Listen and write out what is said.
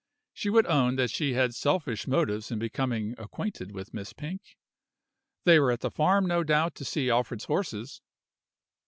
She would own that she had selfish motives in becoming acquainted with Miss Pink. They were at the farm, no doubt, to see Alfred's horses.